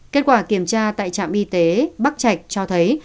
kết quả kiểm tra tại trạm y tế bắc trạch cho thấy